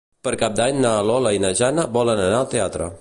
Per Cap d'Any na Lola i na Jana volen anar al teatre.